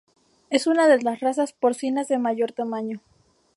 Es una de las razas porcinas de mayor tamaño.